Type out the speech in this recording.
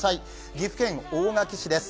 岐阜県大垣市です。